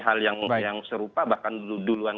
hal yang serupa bahkan duluan